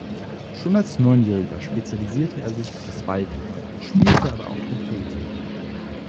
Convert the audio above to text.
Schon als Neunjähriger spezialisierte er sich auf das Waldhorn, spielte aber auch Trompete.